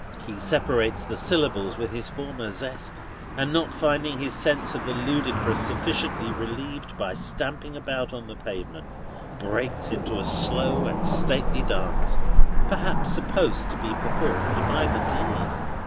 '" He separates the syllables with his former zest, and, not finding his sense of the ludicrous sufficiently relieved by stamping about on the pavement, breaks into a slow and stately dance, perhaps supposed to be performed by the Dean.